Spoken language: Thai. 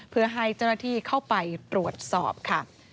เพื่อให้เจ้าหน้าที่เข้าไปตรวจสอบค่ะ